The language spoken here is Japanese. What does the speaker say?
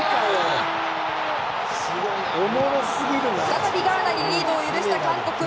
再びガーナにリードを許した韓国。